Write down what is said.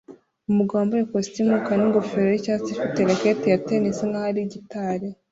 Umugabo wambaye ikositimu yumukara ningofero yicyatsi afite racket ya tennis nkaho ari gitari